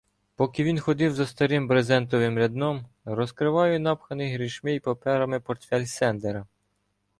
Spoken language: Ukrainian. Поки він ходив за старим брезентовим рядном, розкриваю напханий грішми й паперами портфель Сендера.